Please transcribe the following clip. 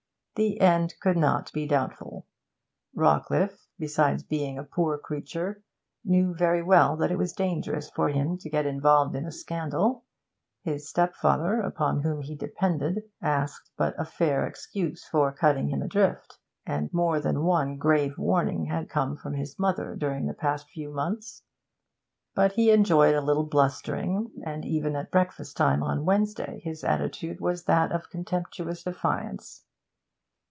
The end could not be doubtful. Rawcliffe, besides being a poor creature, knew very well that it was dangerous for him to get involved in a scandal; his stepfather, upon whom he depended, asked but a fair excuse for cutting him adrift, and more than one grave warning had come from his mother during the past few months. But he enjoyed a little blustering, and even at breakfast time on Wednesday his attitude was that of contemptuous defiance.